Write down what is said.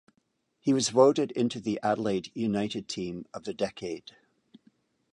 He was voted into the Adelaide United Team of the Decade.